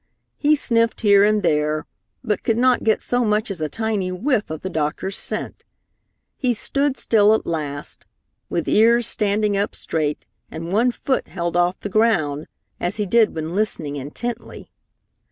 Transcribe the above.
He sniffed here and there, but could not get so much as a tiny whiff of the doctor's scent. He stood still at last, with ears standing up straight and one foot held off the ground, as he did when listening intently.